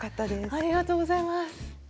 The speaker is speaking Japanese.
ありがとうございます。